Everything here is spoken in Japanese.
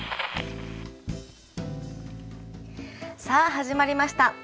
さあ始まりました。